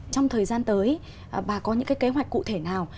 trong thời gian tới bà có những cái kế hoạch cụ thể nào